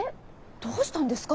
どうしたんですか？